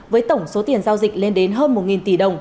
với tổng số tiền giao dịch lên đến hơn một tỷ đồng